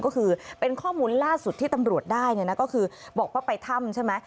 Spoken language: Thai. ก็คือเป็นข้อมูลล่าสุดที่ตำรวจได้เนี่ยนะก็คือบอกว่าไปถ้ำใช่ไหม